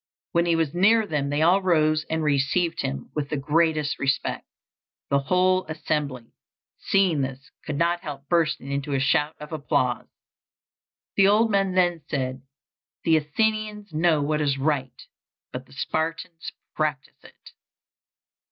When he was near them they all rose and received him with the greatest respect. The whole assembly, seeing this, could not help bursting into a shout of applause. The old man then said, "The Athenians know what is right, but the Spartans practise it."